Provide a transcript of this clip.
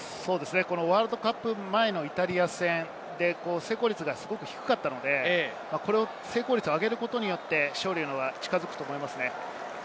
ワールドカップ前のイタリア戦で、成功率がすごく低かったので成功率を上げることによって勝利が近づくと思いますね。